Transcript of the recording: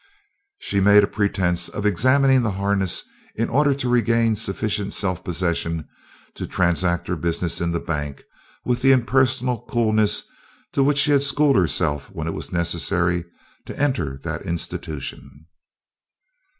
She made a pretence of examining the harness in order to regain sufficient self possession to transact her business in the bank with the impersonal coolness to which she had schooled herself when it was necessary to enter that institution.